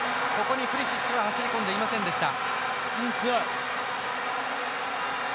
プリシッチは走りこんでいませんでした。